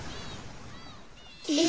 え！？